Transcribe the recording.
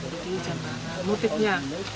jadi jaman motifnya